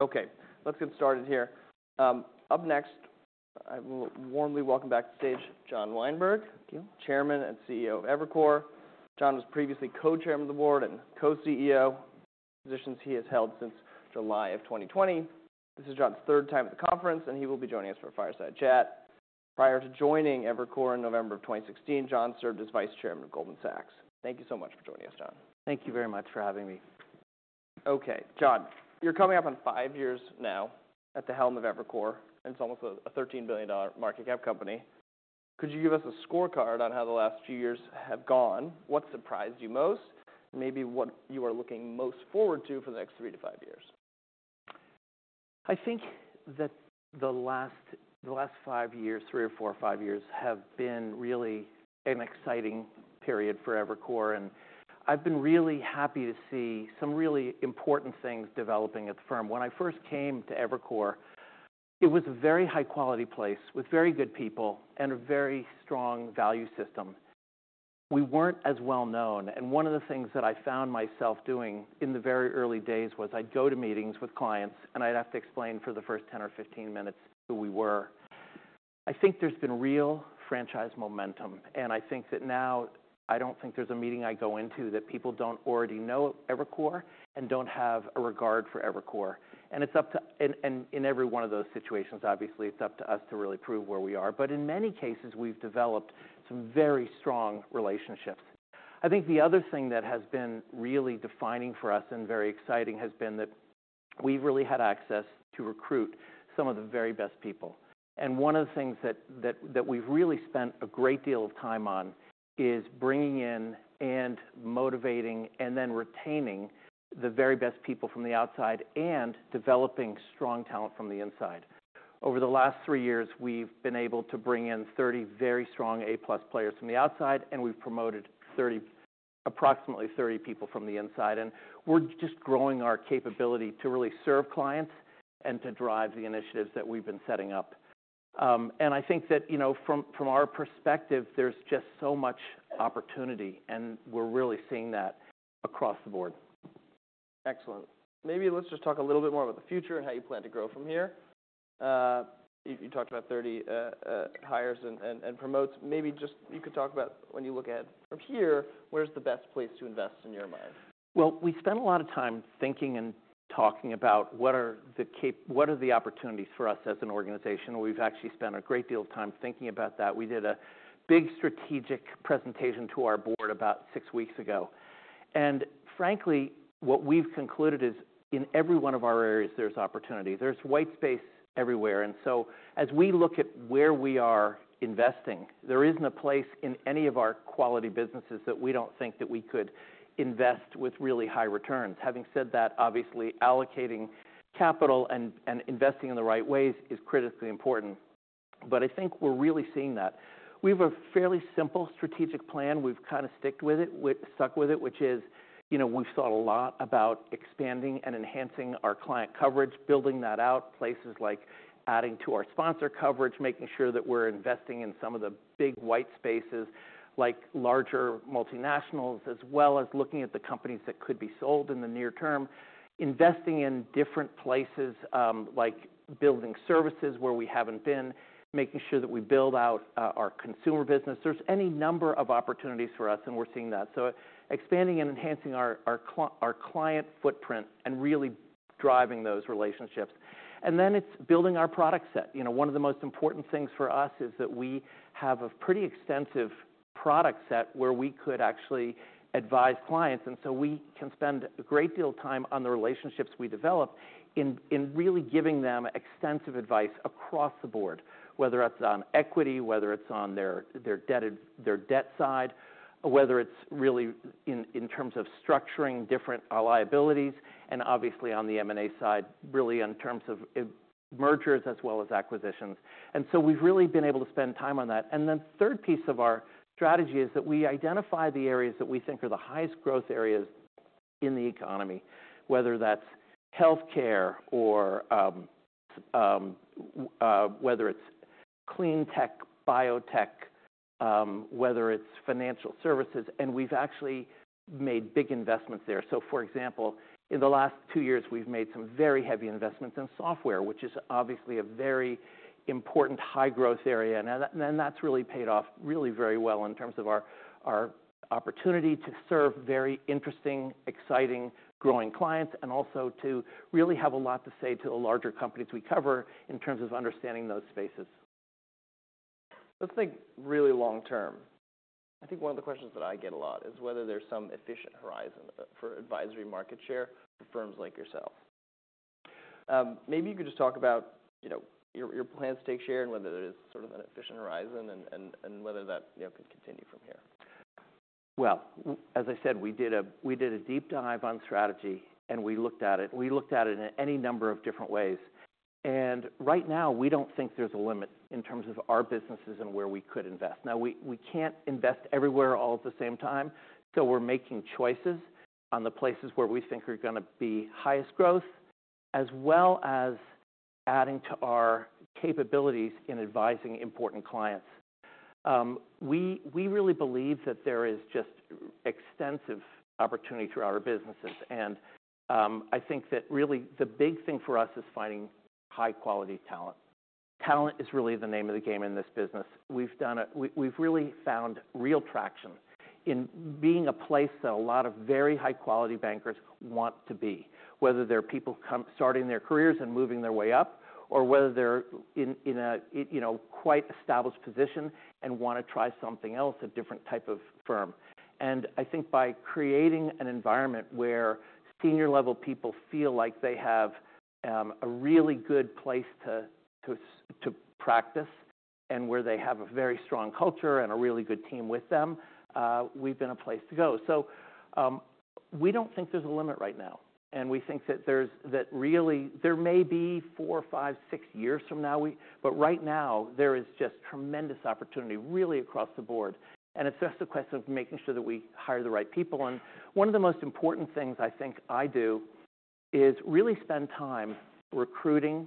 Okay, let's get started here. Up next, I will warmly welcome back to the stage John Weinberg, Chairman and CEO of Evercore. John was previously Co-Chairman of the Board and Co-CEO, positions he has held since July of 2020. This is John's third time at the conference, and he will be joining us for a fireside chat. Prior to joining Evercore in November of 2016, John served as Vice Chairman of Goldman Sachs. Thank you so much for joining us, John. Thank you very much for having me. Okay, John, you're coming up on five years now at the helm of Evercore, and it's almost a $13 billion market cap company. Could you give us a scorecard on how the last few years have gone? What surprised you most? Maybe what you are looking most forward to for the next three to five years? I think that the last five years, three or four or five years, have been really an exciting period for Evercore. And I've been really happy to see some really important things developing at the firm. When I first came to Evercore, it was a very high-quality place with very good people and a very strong value system. We weren't as well known. And one of the things that I found myself doing in the very early days was I'd go to meetings with clients, and I'd have to explain for the first 10 or 15 minutes who we were. I think there's been real franchise momentum. And I think that now, I don't think there's a meeting I go into that people don't already know Evercore and don't have a regard for Evercore. And it's up to, and in every one of those situations, obviously, it's up to us to really prove where we are. But in many cases, we've developed some very strong relationships. I think the other thing that has been really defining for us and very exciting has been that we've really had access to recruit some of the very best people. And one of the things that we've really spent a great deal of time on is bringing in and motivating and then retaining the very best people from the outside and developing strong talent from the inside. Over the last three years, we've been able to bring in 30 very strong A+ players from the outside, and we've promoted approximately 30 people from the inside. And we're just growing our capability to really serve clients and to drive the initiatives that we've been setting up. I think that, you know, from our perspective, there's just so much opportunity, and we're really seeing that across the board. Excellent. Maybe let's just talk a little bit more about the future and how you plan to grow from here. You talked about 30 hires and promotes. Maybe just you could talk about when you look ahead from here, where's the best place to invest in your mind? We spent a lot of time thinking and talking about what are the opportunities for us as an organization. We've actually spent a great deal of time thinking about that. We did a big strategic presentation to our board about six weeks ago. Frankly, what we've concluded is in every one of our areas, there's opportunity. There's white space everywhere. So as we look at where we are investing, there isn't a place in any of our quality businesses that we don't think that we could invest with really high returns. Having said that, obviously, allocating capital and investing in the right ways is critically important. I think we're really seeing that. We have a fairly simple strategic plan. We've kind of stuck with it, which is, you know, we've thought a lot about expanding and enhancing our client coverage, building that out, places like adding to our sponsor coverage, making sure that we're investing in some of the big white spaces like larger multinationals, as well as looking at the companies that could be sold in the near term, investing in different places like building services where we haven't been, making sure that we build out our consumer business. There's any number of opportunities for us, and we're seeing that. So expanding and enhancing our client footprint and really driving those relationships. And then it's building our product set. You know, one of the most important things for us is that we have a pretty extensive product set where we could actually advise clients. And so we can spend a great deal of time on the relationships we develop in really giving them extensive advice across the board, whether it's on equity, whether it's on their debt side, whether it's really in terms of structuring different liabilities, and obviously on the M&A side, really in terms of mergers as well as acquisitions. And so we've really been able to spend time on that. And then the third piece of our strategy is that we identify the areas that we think are the highest growth areas in the economy, whether that's healthcare or whether it's clean tech, biotech, whether it's financial services. And we've actually made big investments there. So for example, in the last two years, we've made some very heavy investments in software, which is obviously a very important high growth area. Then that's really paid off very well in terms of our opportunity to serve very interesting, exciting, growing clients, and also to really have a lot to say to the larger companies we cover in terms of understanding those spaces. Let's think really long term. I think one of the questions that I get a lot is whether there's some efficient horizon for advisory market share for firms like yourself. Maybe you could just talk about, you know, your plans to take share and whether there is sort of an efficient horizon and whether that could continue from here? As I said, we did a deep dive on strategy, and we looked at it. We looked at it in any number of different ways. Right now, we don't think there's a limit in terms of our businesses and where we could invest. Now, we can't invest everywhere all at the same time. We're making choices on the places where we think are going to be highest growth, as well as adding to our capabilities in advising important clients. We really believe that there is just extensive opportunity throughout our businesses. I think that really the big thing for us is finding high-quality talent. Talent is really the name of the game in this business. We've really found real traction in being a place that a lot of very high-quality bankers want to be, whether they're people starting their careers and moving their way up, or whether they're in a, you know, quite established position and want to try something else, a different type of firm, and I think by creating an environment where senior-level people feel like they have a really good place to practice and where they have a very strong culture and a really good team with them, we've been a place to go, so we don't think there's a limit right now, and we think that there may be four, five, six years from now, but right now, there is just tremendous opportunity really across the board, and it's just a question of making sure that we hire the right people. One of the most important things I think I do is really spend time recruiting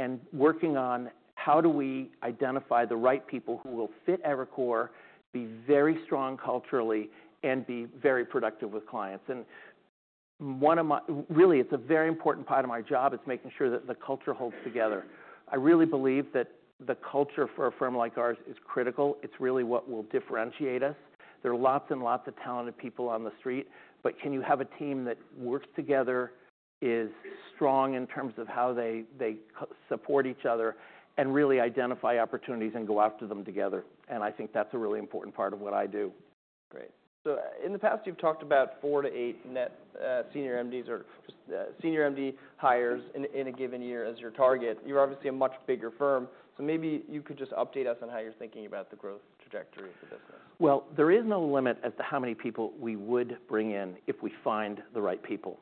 and working on how do we identify the right people who will fit Evercore, be very strong culturally, and be very productive with clients. One of my really, it's a very important part of my job is making sure that the culture holds together. I really believe that the culture for a firm like ours is critical. It's really what will differentiate us. There are lots and lots of talented people on the street, but can you have a team that works together, is strong in terms of how they support each other, and really identify opportunities and go after them together? I think that's a really important part of what I do. Great. So in the past, you've talked about four to eight net senior MDs or senior MD hires in a given year as your target. You're obviously a much bigger firm. So maybe you could just update us on how you're thinking about the growth trajectory of the business? There is no limit as to how many people we would bring in if we find the right people.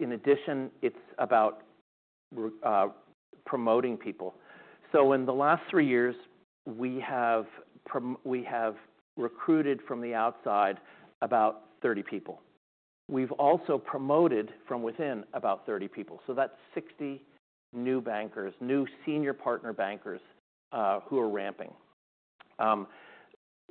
In addition, it's about promoting people. In the last three years, we have recruited from the outside about 30 people. We've also promoted from within about 30 people. That's 60 new bankers, new senior partner bankers who are ramping.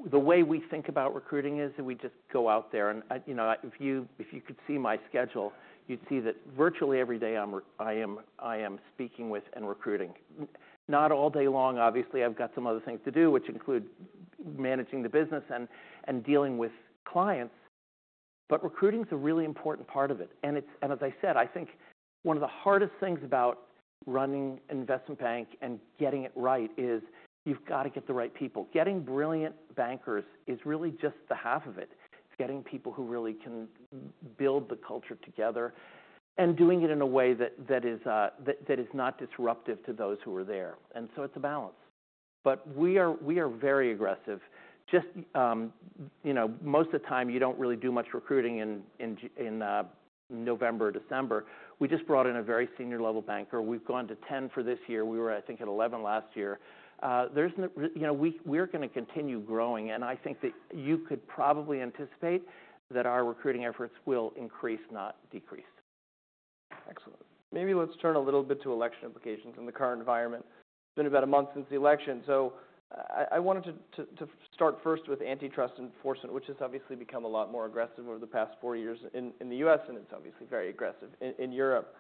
The way we think about recruiting is that we just go out there. You know, if you could see my schedule, you'd see that virtually every day I am speaking with and recruiting. Not all day long, obviously. I've got some other things to do, which include managing the business and dealing with clients. Recruiting is a really important part of it. As I said, I think one of the hardest things about running an investment bank and getting it right is you've got to get the right people. Getting brilliant bankers is really just the half of it. It's getting people who really can build the culture together and doing it in a way that is not disruptive to those who are there, and so it's a balance, but we are very aggressive. Just, you know, most of the time, you don't really do much recruiting in November, December. We just brought in a very senior-level banker. We've gone to 10 for this year. We were, I think, at 11 last year. There's, you know, we're going to continue growing, and I think that you could probably anticipate that our recruiting efforts will increase, not decrease. Excellent. Maybe let's turn a little bit to election implications in the current environment. It's been about a month since the election. So I wanted to start first with antitrust enforcement, which has obviously become a lot more aggressive over the past four years in the U.S., and it's obviously very aggressive in Europe.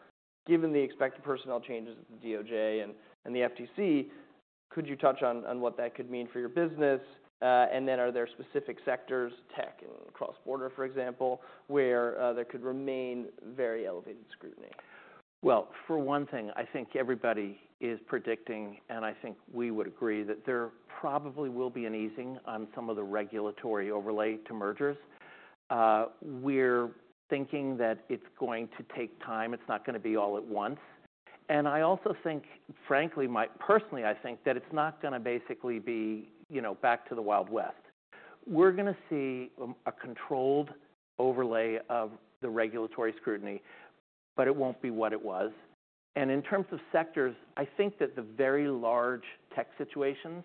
Given the expected personnel changes at the DOJ and the FTC, could you touch on what that could mean for your business? And then are there specific sectors, tech and cross-border, for example, where there could remain very elevated scrutiny? For one thing, I think everybody is predicting, and I think we would agree, that there probably will be an easing on some of the regulatory overlay to mergers. We're thinking that it's going to take time. It's not going to be all at once. And I also think, frankly, personally, I think that it's not going to basically be, you know, back to the Wild West. We're going to see a controlled overlay of the regulatory scrutiny, but it won't be what it was. And in terms of sectors, I think that the very large tech situations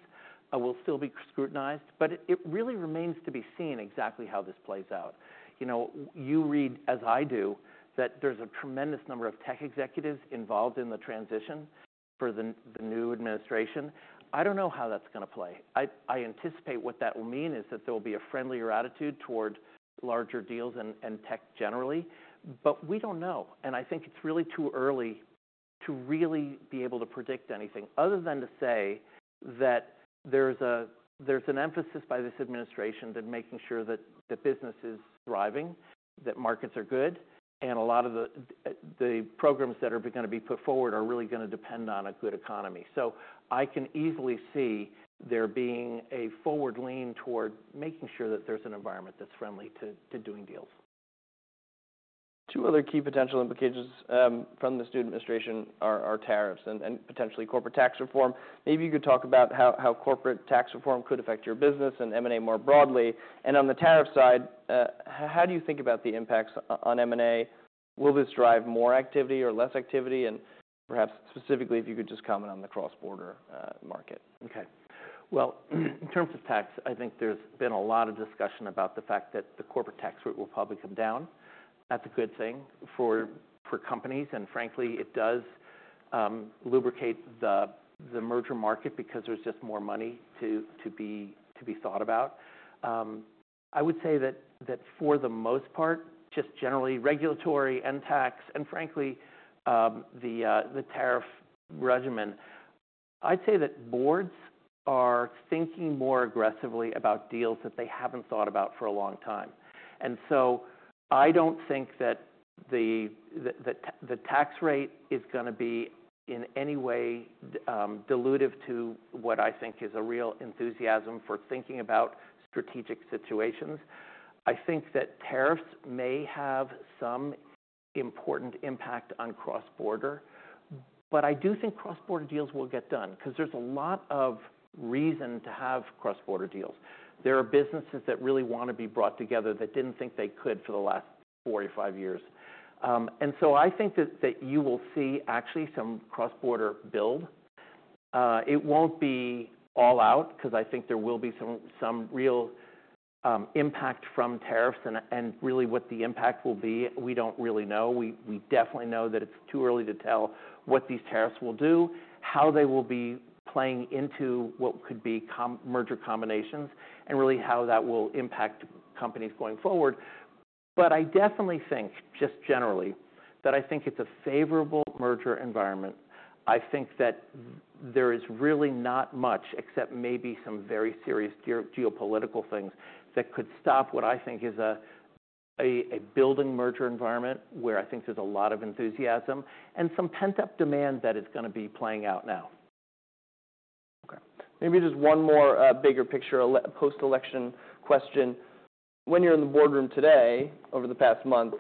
will still be scrutinized, but it really remains to be seen exactly how this plays out. You know, you read, as I do, that there's a tremendous number of tech executives involved in the transition for the new administration. I don't know how that's going to play. I anticipate what that will mean is that there will be a friendlier attitude toward larger deals and tech generally, but we don't know, and I think it's really too early to really be able to predict anything other than to say that there's an emphasis by this administration that making sure that the business is thriving, that markets are good, and a lot of the programs that are going to be put forward are really going to depend on a good economy, so I can easily see there being a forward lean toward making sure that there's an environment that's friendly to doing deals. Two other key potential implications from this new administration are tariffs and potentially corporate tax reform. Maybe you could talk about how corporate tax reform could affect your business and M&A more broadly. And on the tariff side, how do you think about the impacts on M&A? Will this drive more activity or less activity? And perhaps specifically, if you could just comment on the cross-border market. Okay. Well, in terms of tax, I think there's been a lot of discussion about the fact that the corporate tax rate will probably come down. That's a good thing for companies, and frankly, it does lubricate the merger market because there's just more money to be thought about. I would say that for the most part, just generally regulatory and tax and frankly the tariff regime, I'd say that boards are thinking more aggressively about deals that they haven't thought about for a long time, and so I don't think that the tax rate is going to be in any way dilutive to what I think is a real enthusiasm for thinking about strategic situations. I think that tariffs may have some important impact on cross-border, but I do think cross-border deals will get done because there's a lot of reason to have cross-border deals. There are businesses that really want to be brought together that didn't think they could for the last four or five years. And so I think that you will see actually some cross-border build. It won't be all out because I think there will be some real impact from tariffs. And really what the impact will be, we don't really know. We definitely know that it's too early to tell what these tariffs will do, how they will be playing into what could be merger combinations, and really how that will impact companies going forward. But I definitely think, just generally, that I think it's a favorable merger environment. I think that there is really not much except maybe some very serious geopolitical things that could stop what I think is a building merger environment where I think there's a lot of enthusiasm and some pent-up demand that is going to be playing out now. Okay. Maybe just one more bigger picture, a post-election question. When you're in the boardroom today, over the past month,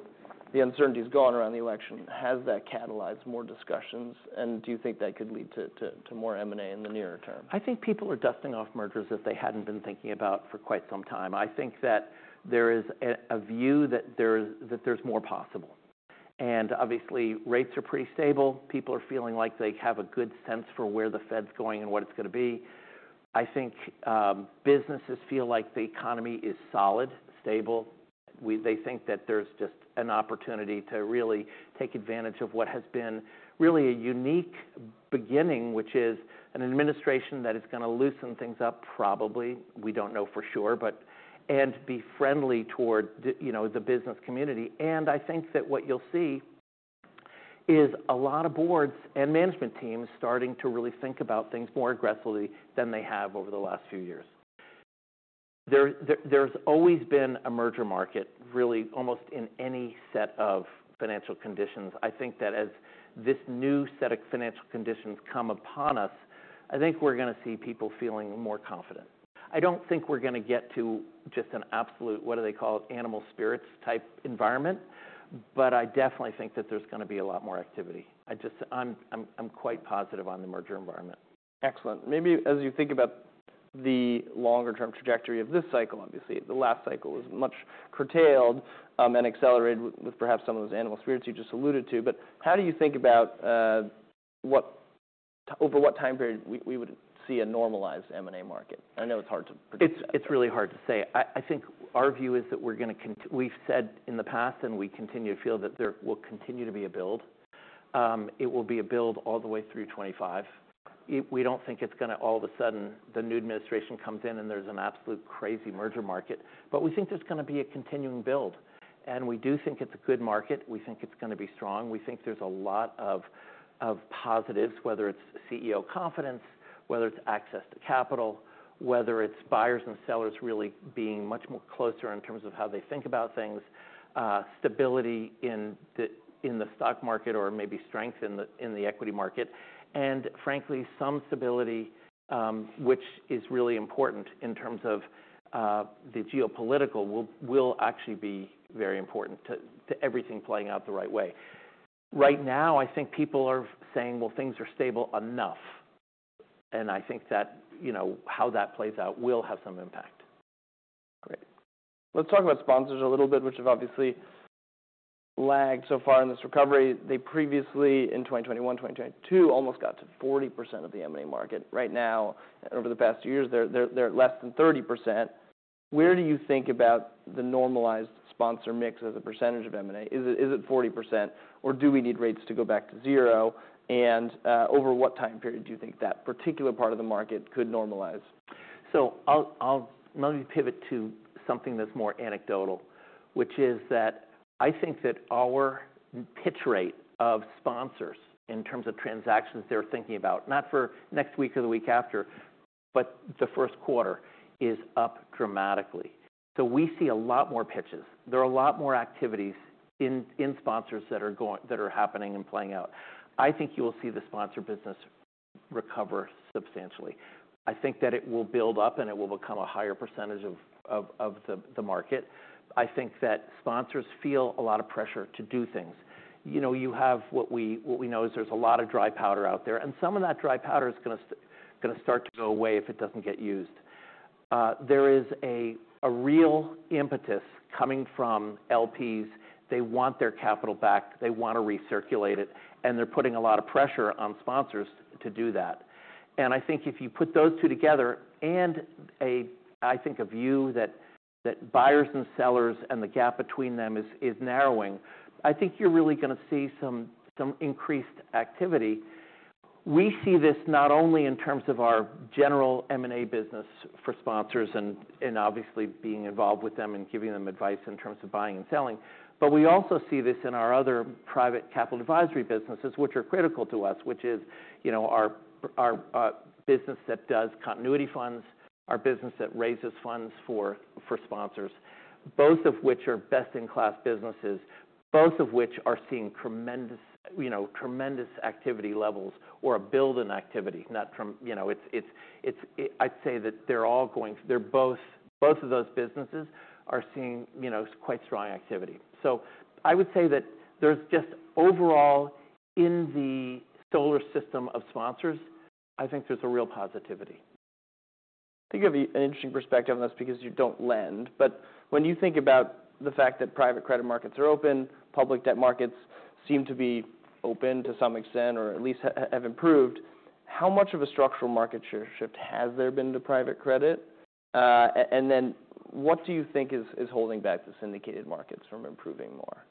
the uncertainty has gone around the election. Has that catalyzed more discussions? And do you think that could lead to more M&A in the near term? I think people are dusting off mergers that they hadn't been thinking about for quite some time. I think that there is a view that there's more possible, and obviously, rates are pretty stable. People are feeling like they have a good sense for where the Fed's going and what it's going to be. I think businesses feel like the economy is solid, stable. They think that there's just an opportunity to really take advantage of what has been really a unique beginning, which is an administration that is going to loosen things up, probably. We don't know for sure, but and be friendly toward, you know, the business community, and I think that what you'll see is a lot of boards and management teams starting to really think about things more aggressively than they have over the last few years. There's always been a merger market, really, almost in any set of financial conditions. I think that as this new set of financial conditions come upon us, I think we're going to see people feeling more confident. I don't think we're going to get to just an absolute, what do they call it, animal spirits type environment, but I definitely think that there's going to be a lot more activity. I just, I'm quite positive on the merger environment. Excellent. Maybe as you think about the longer-term trajectory of this cycle, obviously, the last cycle was much curtailed and accelerated with perhaps some of those animal spirits you just alluded to. But how do you think about what, over what time period we would see a normalized M&A market? I know it's hard to predict. It's really hard to say. I think our view is that we're going to, we've said in the past and we continue to feel that there will continue to be a build. It will be a build all the way through 2025. We don't think it's going to all of a sudden, the new administration comes in and there's an absolute crazy merger market, but we think there's going to be a continuing build, and we do think it's a good market. We think it's going to be strong. We think there's a lot of positives, whether it's CEO confidence, whether it's access to capital, whether it's buyers and sellers really being much more closer in terms of how they think about things, stability in the stock market, or maybe strength in the equity market. Frankly, some stability, which is really important in terms of the geopolitical, will actually be very important to everything playing out the right way. Right now, I think people are saying, well, things are stable enough. I think that, you know, how that plays out will have some impact. Great. Let's talk about sponsors a little bit, which have obviously lagged so far in this recovery. They previously, in 2021, 2022, almost got to 40% of the M&A market. Right now, over the past few years, they're less than 30%. Where do you think about the normalized sponsor mix as a percentage of M&A? Is it 40%, or do we need rates to go back to zero? And over what time period do you think that particular part of the market could normalize? So, let me pivot to something that's more anecdotal, which is that I think that our pitch rate of sponsors in terms of transactions they're thinking about, not for next week or the week after, but the Q1, is up dramatically. So we see a lot more pitches. There are a lot more activities in sponsors that are happening and playing out. I think you will see the sponsor business recover substantially. I think that it will build up and it will become a higher percentage of the market. I think that sponsors feel a lot of pressure to do things. You know, you have what we know is there's a lot of dry powder out there. And some of that dry powder is going to start to go away if it doesn't get used. There is a real impetus coming from LPs. They want their capital back. They want to recirculate it, and they're putting a lot of pressure on sponsors to do that, and I think if you put those two together and I think a view that buyers and sellers and the gap between them is narrowing, I think you're really going to see some increased activity. We see this not only in terms of our general M&A business for sponsors and obviously being involved with them and giving them advice in terms of buying and selling, but we also see this in our other Private Capital Advisory businesses, which are critical to us, which is, you know, our business that does continuation funds, our business that raises funds for sponsors, both of which are best-in-class businesses, both of which are seeing tremendous, you know, tremendous activity levels or a build-in activity. Not from, you know, it's. I'd say that they're all going, they're both, both of those businesses are seeing, you know, quite strong activity. So I would say that there's just overall in the ecosystem of sponsors, I think there's a real positivity. I think you have an interesting perspective on this because you don't lend. But when you think about the fact that private credit markets are open, public debt markets seem to be open to some extent or at least have improved, how much of a structural market shift has there been to private credit? And then what do you think is holding back the syndicated markets from improving more?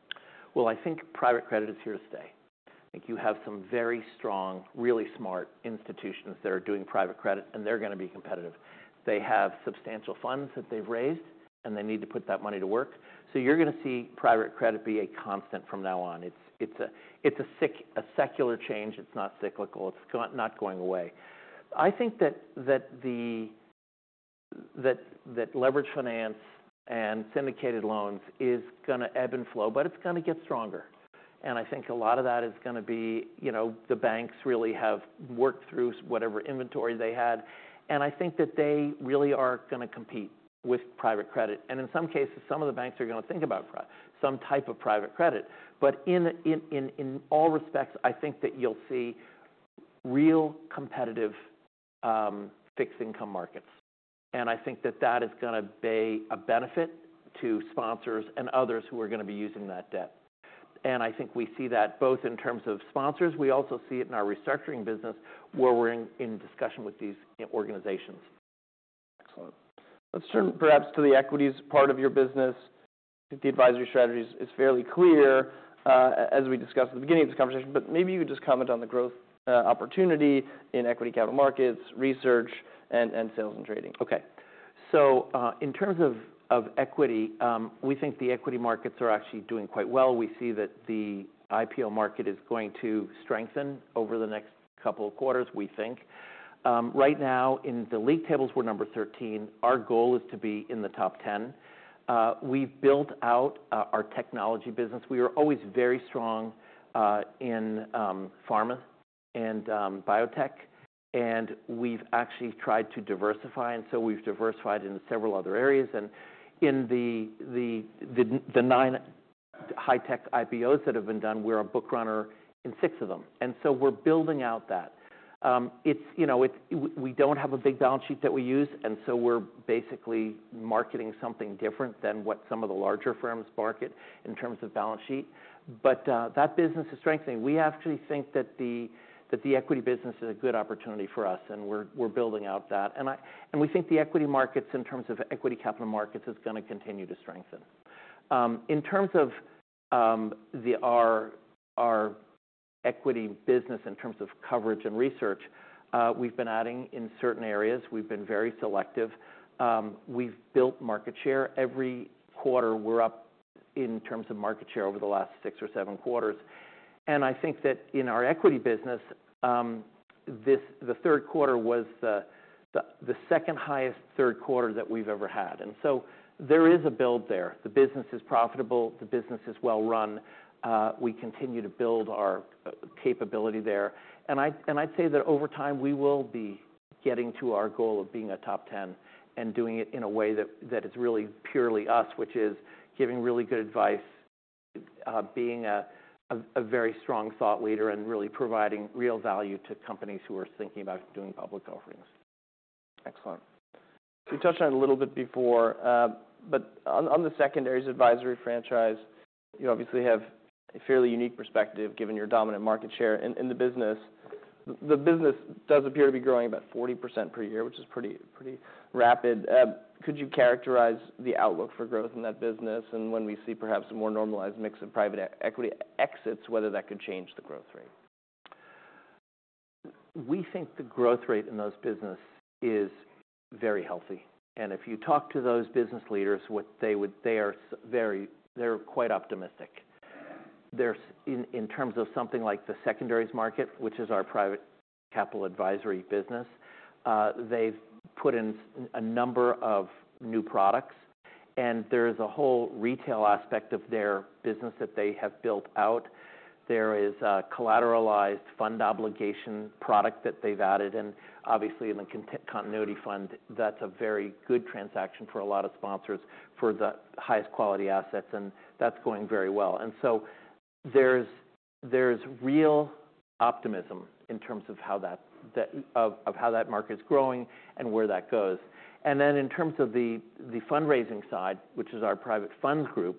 I think private credit is here to stay. I think you have some very strong, really smart institutions that are doing private credit, and they're going to be competitive. They have substantial funds that they've raised, and they need to put that money to work. So you're going to see private credit be a constant from now on. It's a secular change. It's not cyclical. It's not going away. I think that the leveraged finance and syndicated loans is going to ebb and flow, but it's going to get stronger. And I think a lot of that is going to be, you know, the banks really have worked through whatever inventory they had. And I think that they really are going to compete with private credit. And in some cases, some of the banks are going to think about some type of private credit. But in all respects, I think that you'll see real competitive fixed income markets. And I think that that is going to be a benefit to sponsors and others who are going to be using that debt. And I think we see that both in terms of sponsors, we also see it in our restructuring business where we're in discussion with these organizations. Excellent. Let's turn perhaps to the equities part of your business. I think the advisory strategy is fairly clear, as we discussed at the beginning of this conversation, but maybe you could just comment on the growth opportunity in Equity Capital Markets, Research, and Sales and Trading. Okay, so in terms of equity, we think the equity markets are actually doing quite well. We see that the IPO market is going to strengthen over the next couple of quarters, we think. Right now, in the league tables, we're number 13. Our goal is to be in the top 10. We've built out our technology business. We were always very strong in pharma and biotech, and we've actually tried to diversify, and so we've diversified in several other areas, and in the nine high-tech IPOs that have been done, we're a book runner in six of them, and so we're building out that. It's, you know, we don't have a big balance sheet that we use, and so we're basically marketing something different than what some of the larger firms market in terms of balance sheet, but that business is strengthening. We actually think that the equity business is a good opportunity for us, and we're building out that, and we think the equity markets in terms of equity capital markets is going to continue to strengthen. In terms of our equity business in terms of coverage and research, we've been adding in certain areas. We've been very selective. We've built market share. Every quarter, we're up in terms of market share over the last six or seven quarters, and I think that in our equity business, the Q3 was the second highest Q3 that we've ever had, and so there is a build there. The business is profitable. The business is well-run. We continue to build our capability there. I'd say that over time, we will be getting to our goal of being a top 10 and doing it in a way that is really purely us, which is giving really good advice, being a very strong thought leader, and really providing real value to companies who are thinking about doing public offerings. Excellent. You touched on it a little bit before, but on the secondary advisory franchise, you obviously have a fairly unique perspective given your dominant market share in the business. The business does appear to be growing about 40% per year, which is pretty rapid. Could you characterize the outlook for growth in that business and when we see perhaps a more normalized mix of private equity exits, whether that could change the growth rate? We think the growth rate in those businesses is very healthy. And if you talk to those business leaders, they are very, they're quite optimistic. In terms of something like the secondary market, which is our Private Capital Advisory business, they've put in a number of new products. And there is a whole retail aspect of their business that they have built out. There is a collateralized fund obligation product that they've added. And obviously, in the continuation fund, that's a very good transaction for a lot of sponsors for the highest quality assets. And that's going very well. And so there's real optimism in terms of how that market is growing and where that goes. And then in terms of the fundraising side, which is our Private Funds Group,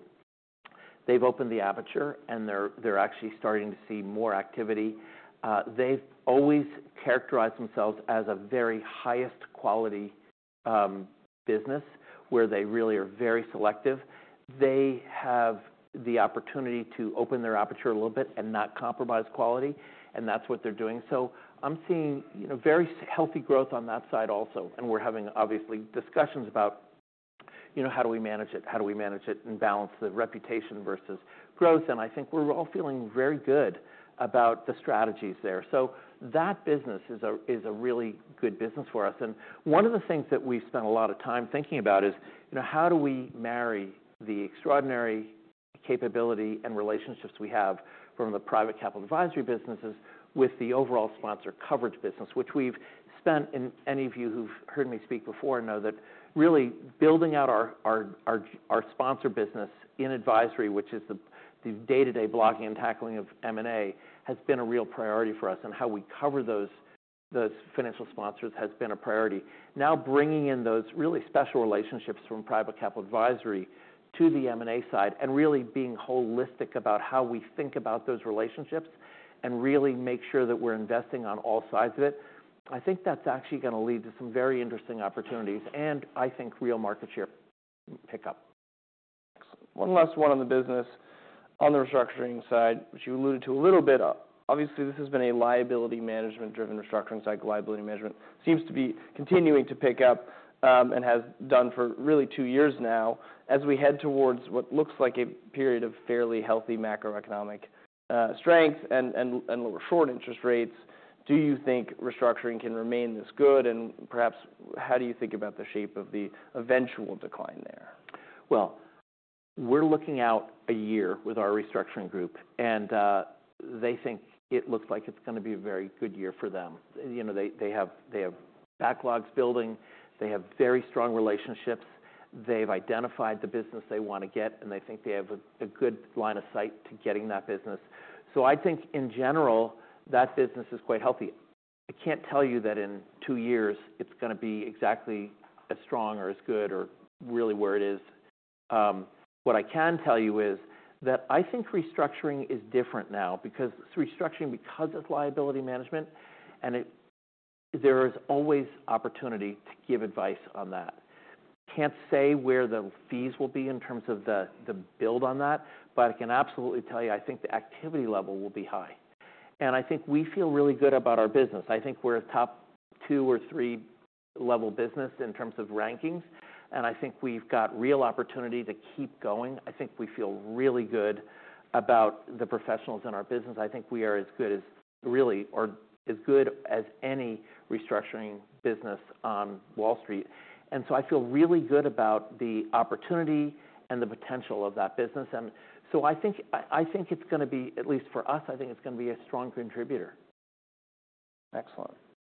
they've opened the aperture and they're actually starting to see more activity. They've always characterized themselves as a very highest quality business where they really are very selective. They have the opportunity to open their aperture a little bit and not compromise quality. And that's what they're doing. So I'm seeing very healthy growth on that side also. And we're having obviously discussions about, you know, how do we manage it? How do we manage it and balance the reputation versus growth? And I think we're all feeling very good about the strategies there. So that business is a really good business for us. And one of the things that we spent a lot of time thinking about is, you know, how do we marry the extraordinary capability and relationships we have from the private capital advisory businesses with the overall sponsor coverage business, which we've spent, and any of you who've heard me speak before know that really building out our sponsor business in advisory, which is the day-to-day blocking and tackling of M&A, has been a real priority for us. And how we cover those financial sponsors has been a priority. Now bringing in those really special relationships from private capital advisory to the M&A side and really being holistic about how we think about those relationships and really make sure that we're investing on all sides of it, I think that's actually going to lead to some very interesting opportunities and I think real market share pickup. One last one on the business, on the restructuring side, which you alluded to a little bit. Obviously, this has been a liability management-driven restructuring cycle. Liability management seems to be continuing to pick up and has done for really two years now. As we head towards what looks like a period of fairly healthy macroeconomic strength and lower short interest rates, do you think restructuring can remain this good, and perhaps how do you think about the shape of the eventual decline there? We're looking out a year with our restructuring group, and they think it looks like it's going to be a very good year for them. You know, they have backlogs building. They have very strong relationships. They've identified the business they want to get, and they think they have a good line of sight to getting that business. So I think in general, that business is quite healthy. I can't tell you that in two years it's going to be exactly as strong or as good or really where it is. What I can tell you is that I think restructuring is different now because restructuring, because it's liability management, and there is always opportunity to give advice on that. Can't say where the fees will be in terms of the build on that, but I can absolutely tell you I think the activity level will be high. And I think we feel really good about our business. I think we're a top two or three level business in terms of rankings. And I think we've got real opportunity to keep going. I think we feel really good about the professionals in our business. I think we are as good as really or as good as any restructuring business on Wall Street. And so I feel really good about the opportunity and the potential of that business. And so I think it's going to be, at least for us, I think it's going to be a strong contributor. Excellent.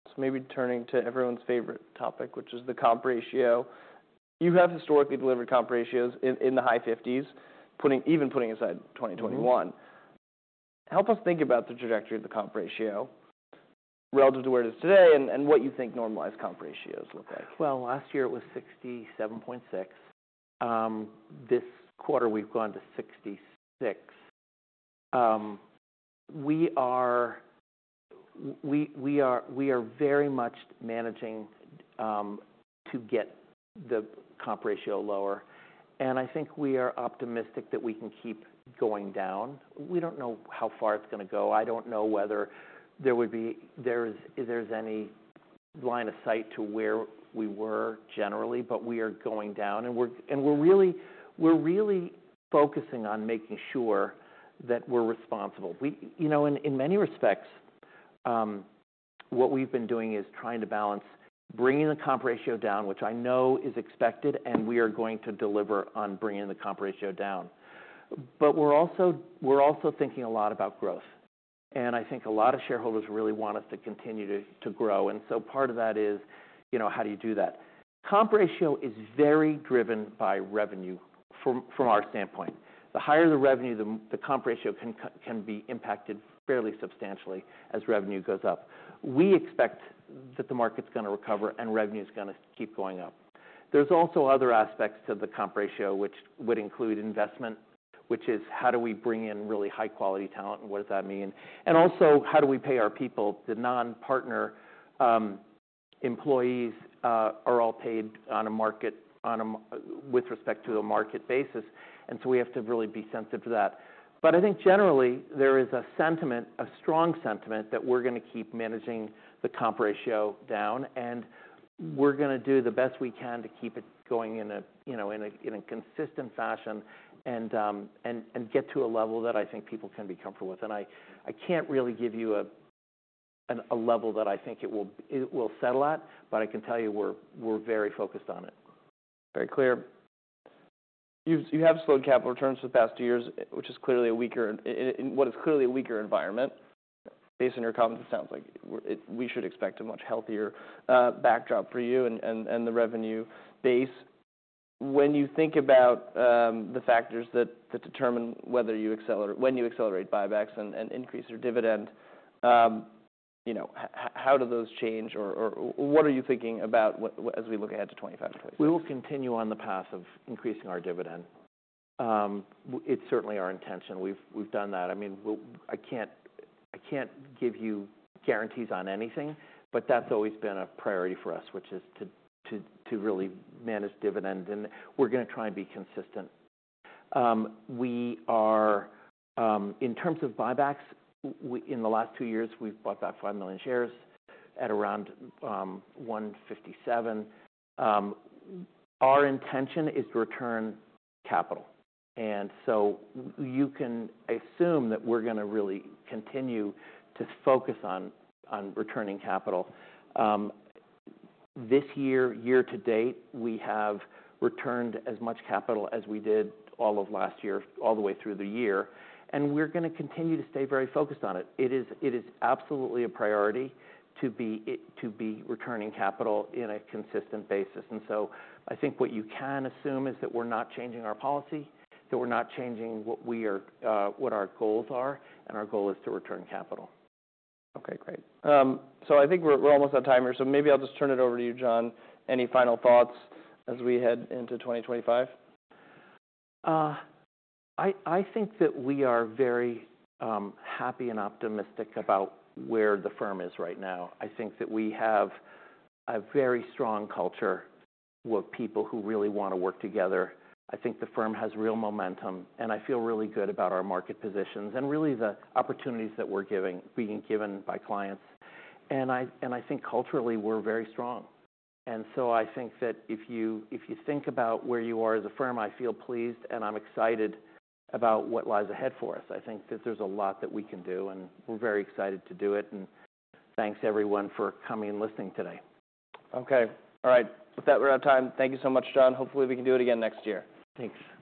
So maybe turning to everyone's favorite topic, which is the comp ratio. You have historically delivered comp ratios in the high 50s, even putting aside 2021. Help us think about the trajectory of the comp ratio relative to where it is today and what you think normalized comp ratios look like. Last year it was 67.6. This quarter, we've gone to 66. We are very much managing to get the comp ratio lower. And I think we are optimistic that we can keep going down. We don't know how far it's going to go. I don't know whether there would be, there's any line of sight to where we were generally, but we are going down. And we're really focusing on making sure that we're responsible. You know, in many respects, what we've been doing is trying to balance bringing the comp ratio down, which I know is expected, and we are going to deliver on bringing the comp ratio down. But we're also thinking a lot about growth. And I think a lot of shareholders really want us to continue to grow. And so part of that is, you know, how do you do that? Comp ratio is very driven by revenue from our standpoint. The higher the revenue, the comp ratio can be impacted fairly substantially as revenue goes up. We expect that the market's going to recover and revenue is going to keep going up. There's also other aspects to the comp ratio, which would include investment, which is how do we bring in really high-quality talent and what does that mean? And also, how do we pay our people? The non-partner employees are all paid on a market with respect to a market basis. And so we have to really be sensitive to that. But I think generally, there is a sentiment, a strong sentiment that we're going to keep managing the comp ratio down. We're going to do the best we can to keep it going in a consistent fashion and get to a level that I think people can be comfortable with. I can't really give you a level that I think it will settle at, but I can tell you we're very focused on it. Very clear. You have slowed capital returns for the past two years, which is clearly a weaker environment. Based on your comments, it sounds like we should expect a much healthier backdrop for you and the revenue base. When you think about the factors that determine whether you accelerate buybacks and increase your dividend, you know, how do those change or what are you thinking about as we look ahead to 2025? We will continue on the path of increasing our dividend. It's certainly our intention. We've done that. I mean, I can't give you guarantees on anything, but that's always been a priority for us, which is to really manage dividend. And we're going to try and be consistent. In terms of buybacks, in the last two years, we've bought about five million shares at around $157. Our intention is to return capital. And so you can assume that we're going to really continue to focus on returning capital. This year, year to date, we have returned as much capital as we did all of last year, all the way through the year. And we're going to continue to stay very focused on it. It is absolutely a priority to be returning capital in a consistent basis. I think what you can assume is that we're not changing our policy, that we're not changing what our goals are. Our goal is to return capital. Okay, great. So I think we're almost out of time here. So maybe I'll just turn it over to you, John. Any final thoughts as we head into 2025? I think that we are very happy and optimistic about where the firm is right now. I think that we have a very strong culture with people who really want to work together. I think the firm has real momentum, and I feel really good about our market positions and really the opportunities that we're being given by clients, and I think culturally, we're very strong, and so I think that if you think about where you are as a firm, I feel pleased and I'm excited about what lies ahead for us. I think that there's a lot that we can do and we're very excited to do it, and thanks, everyone, for coming and listening today. Okay. All right. With that, we're out of time. Thank you so much, John. Hopefully, we can do it again next year. Thanks.